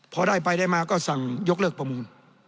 พอได้ไปได้มาก็สั่งยกเลิกประมูล